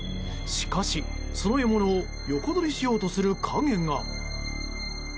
しかし、その獲物を横取りしようとする影が。